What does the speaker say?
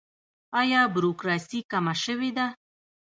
آیا بروکراسي کمه شوې ده؟